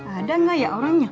ada gak ya orangnya